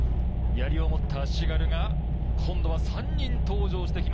槍を持った足軽が今度は３人登場してきました。